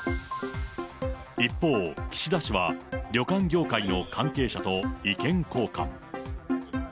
一方、岸田氏は旅館業界の関係者と意見交換。